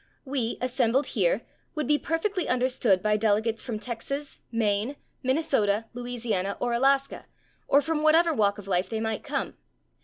We, assembled here, would be perfectly understood by delegates from Texas, Maine, Minnesota, Louisiana, or Alaska, or from whatever walk of life they might come.